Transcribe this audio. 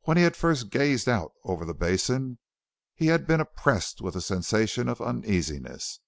When he had first gazed out over the basin he had been oppressed with a sensation of uneasiness.